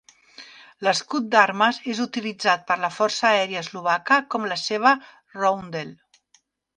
L'escut d'armes és utilitzat per la força aèria Eslovaca com la seva roundel.